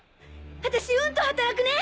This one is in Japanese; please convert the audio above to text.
私うんと働くね。